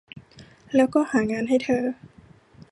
แล้วก็ หางานให้เธอ